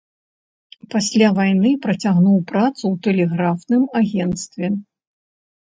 Пасля вайны працягнуў працу ў тэлеграфным агенцтве.